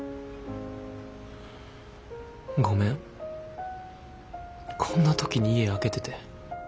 ごめんこんな時に家空けてて。